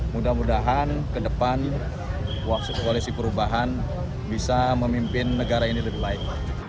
mudah mudahan ke depan koalisi perubahan bisa memimpin negara ini lebih baik